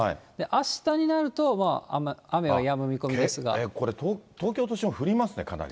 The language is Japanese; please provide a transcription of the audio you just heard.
あしたになると、雨はやむ見込みこれ、東京都心も降りますね、かなり。